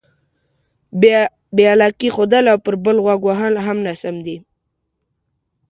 بې علاقې ښودل او پر بل غوږ وهل هم ناسم دي.